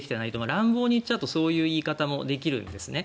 乱暴に言っちゃうとそういう言い方もできるんですね。